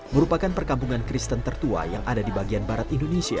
merupakan perkampungan kristen tertua yang ada di bagian barat indonesia